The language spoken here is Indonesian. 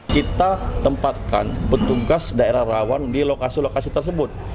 kita tempatkan petugas daerah rawan di lokasi lokasi tersebut